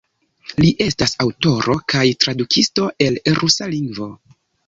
Li estas aŭtoro kaj tradukisto el rusa lingvo.